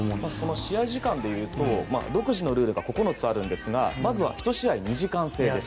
試合時間でいうと独自のルールが９つあるんですが１試合２時間制です。